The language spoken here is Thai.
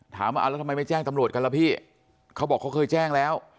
ถามว่าแล้วทำไมไม่แจ้งตำรวจกันล่ะพี่เขาบอกเขาเคยแจ้งแล้ว